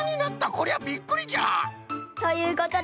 こりゃびっくりじゃ！ということでみっつめは。